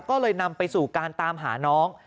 ก็เลยนำไปสู่การตามหาน้อง